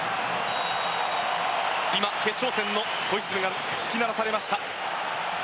今、決勝戦のホイッスルが吹き鳴らされました。